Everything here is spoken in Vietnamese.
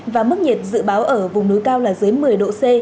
và mức nhiệt dự báo ở vùng núi cao là dưới một mươi độ c